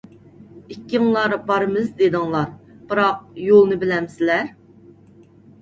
ئىككىڭلار بارىمىز دېدىڭلار، بىراق يولنى بىلەمسىلەر؟!